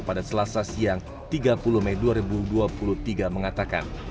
pada selasa siang tiga puluh mei dua ribu dua puluh tiga mengatakan